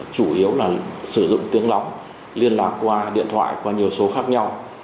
chủ yếu là sử dụng tiếng lóng liên lạc qua điện thoại qua nhiều số khác nhau